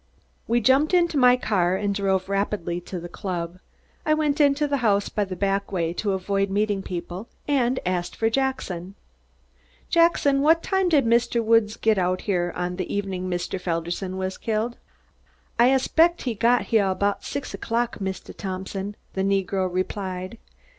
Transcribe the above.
We jumped into my car and drove rapidly to the club. I went into the house by the back way to avoid meeting people and asked for Jackson. "Jackson, what time did Mr. Woods get out here on the evening Mr. Felderson was killed?" "Ah espect he got heah 'bout six o'clock, Mistuh Thompson," the negro replied.